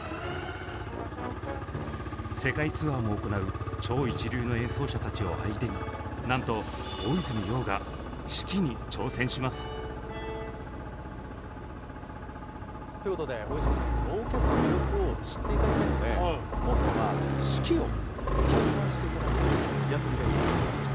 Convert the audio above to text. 世界ツアーも行う超一流の演奏者たちを相手になんと大泉洋が指揮に挑戦します！ということで大泉さんにこのオーケストラの魅力を知っていただきたいのでやってみたいと思ってるんですよ。